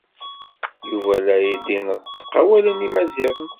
Yuba la d-ineṭṭeq awalen imaziɣen.